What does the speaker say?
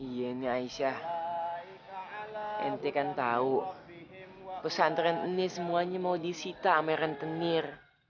yeni aisyah ente kan tahu pesantren ini semuanya mau disita sama rentenir